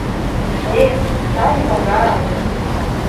Эх, сай могай!